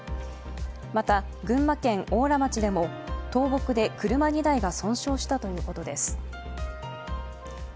また群馬県邑楽町でも倒木で車２台が損傷したということです。